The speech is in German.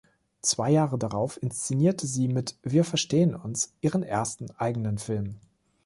Zwei Jahre darauf inszenierte sie mit "Wir verstehen uns" ihren ersten eigenen Film.